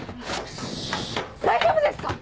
大丈夫ですか？